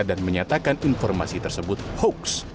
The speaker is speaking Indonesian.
dan menyatakan informasi tersebut hoax